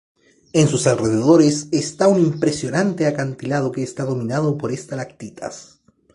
En sus alrededores esta un impresionante acantilado que está dominado por estalactitas.